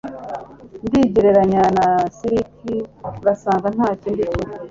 ndigereranya na silik ngasanga ntacyo ndicyo